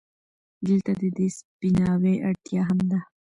دلته د دې سپيناوي اړتيا هم ده،